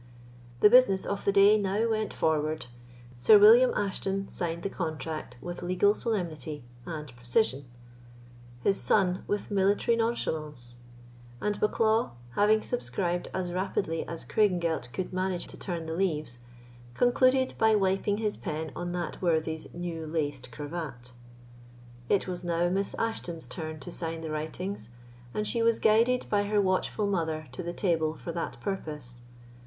The business of the day now went forward: Sir William Ashton signed the contract with legal solemnity and precision; his son, with military nonchalance; and Bucklaw, having subscribed as rapidly as Craigengelt could manage to turn the leaves, concluded by wiping his pen on that worthy's new laced cravat. It was now Miss Ashton's turn to sign the writings, and she was guided by her watchful mother to the table for that purpose.